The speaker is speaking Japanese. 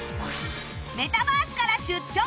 メタバースから出張！